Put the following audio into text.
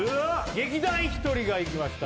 劇団ひとりがいきました